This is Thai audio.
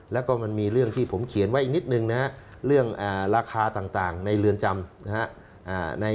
แล้วก็มันมีเรื่องที่ผมเขียนไว้อีกนิดนึงนะฮะเรื่องราคาต่างในเรือนจำนะฮะ